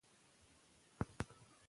د خوګیاڼیو خلک به دا ویاړ ساتي.